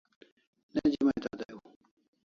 Neji mai tada ew